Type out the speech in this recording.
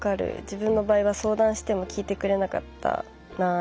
自分の場合は相談しても聞いてくれなかったなぁ。